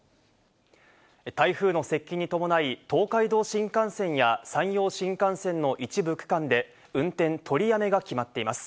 台風の接近に伴い、東海道新幹線や山陽新幹線の一部区間で運転取りやめが決まっています。